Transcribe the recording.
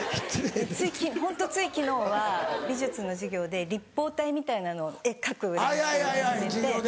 ホントつい昨日は美術の授業で立方体みたいなのを描く練習を始めて。